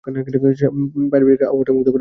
পারিবারিক আবহাওয়াটা মুগ্ধ করে দিচ্ছে।